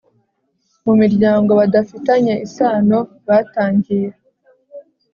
mu miryango badafitanye isano batangiye